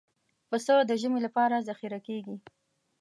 پسه د ژمي لپاره ذخیره کېږي.